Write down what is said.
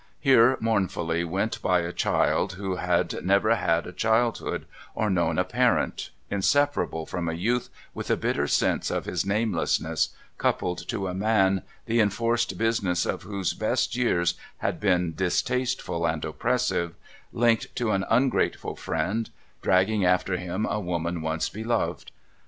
Here mournfully went by a child who had never had a childhood or known a parent, inseparable from a youth with a bitter sense of his namelessness, coupled to a man the enforced business of whose best years had been distasteful and oppressive, linked to an un grateful friend, dragging after him a woman once beloved.